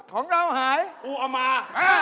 ของเราหายกูเอามา